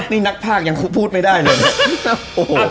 นี่นักภาคยังพูดไม่ได้เลย